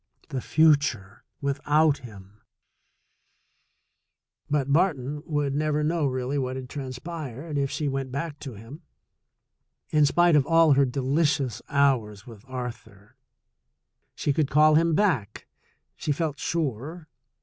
The future without him ! But Barton would never know really what had trans pired, if she went back to him. In spite of all her delicious hours with Arthur, she could call him back, she felt sure.